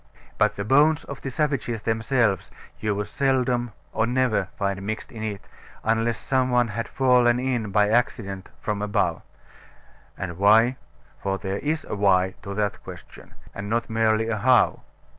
But the bones of the savages themselves you would seldom or never find mixed in it unless some one had fallen in by accident from above. And why? (For there is a Why? to that question: and not merely a How?)